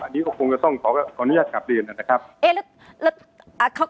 อันนี้ก็คงจะต้องขออนุญาตกลับเรียนนะครับ